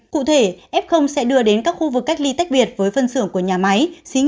cụ thể f sẽ đưa đến các khu vực cách ly tách biệt với phân xưởng của nhà máy